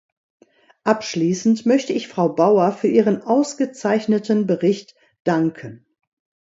Abschließend möchte ich Frau Bauer für ihren ausgezeichneten Bericht danken.